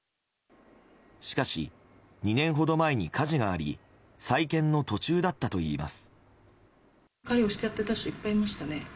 しかし２年ほど前に火事があり再建の途中だったといいます。